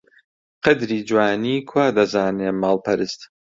قەدری جوانی کوا دەزانێ ماڵپەرست!